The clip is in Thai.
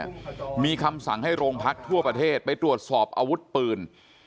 อันนี้เนี่ยมีคำสั่งให้โรงพักษณ์ทั่วประเทศไปตรวจสอบอาวุธปืน